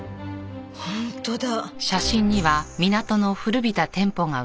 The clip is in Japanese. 本当だ。